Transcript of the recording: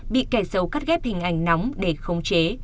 bị kẻ sâu cắt ghép hình ảnh nóng để không chế